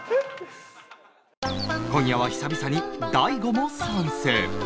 今夜は久々に大悟も参戦